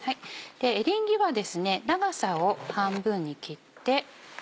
エリンギは長さを半分に切って。